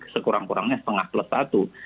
sekurang kurangnya setengah plus satu